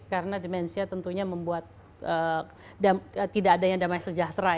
karena demensia tentunya membuat tidak adanya damai sejahtera